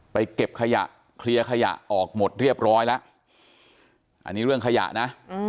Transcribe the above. เก็บขยะเคลียร์ขยะออกหมดเรียบร้อยแล้วอันนี้เรื่องขยะนะ